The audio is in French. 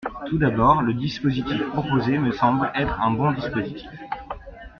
Tout d’abord, le dispositif proposé me semble être un bon dispositif.